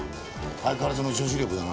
相変わらずの女子力だな。